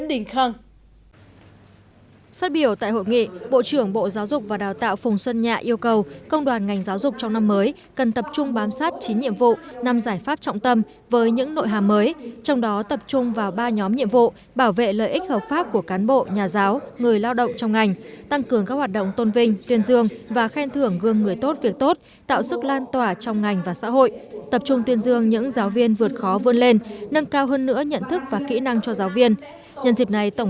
phát biểu tại hội nghị bộ trưởng bộ giáo dục và đào tạo phùng xuân nhạ yêu cầu công đoàn ngành giáo dục trong năm mới cần tập trung bám sát chín nhiệm vụ năm giải pháp trọng tâm với những nội hàm mới trong đó tập trung vào ba nhóm nhiệm vụ bảo vệ lợi ích hợp pháp của cán bộ nhà giáo người lao động trong ngành tăng cường các hoạt động tôn vinh tuyên dương và khen thưởng gương người tốt việc tốt tạo sức lan tỏa trong ngành và xã hội tập trung tuyên dương những giáo viên vượt khó vươn lên nâng cao hơn nữa nhận thức và kỹ năng cho giáo vi